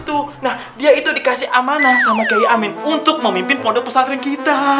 nah dia itu dikasih amanah sama kiai amin untuk memimpin pondok pesantren kita